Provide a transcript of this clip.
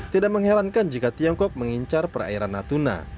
tidak mengherankan jika tiongkok mengincar perairan natuna